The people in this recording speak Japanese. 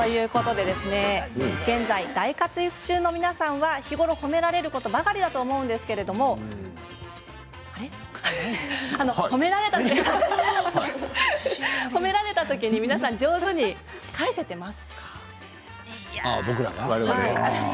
現在、大活躍中の皆さんは日頃、褒められることばかりだと思うんですけど褒められた時に皆さん上手に返せていますか？